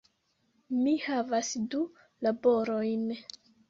Mi havas du laborojn